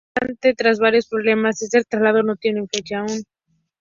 No obstante, tras varios problemas este traslado no tiene fecha aún.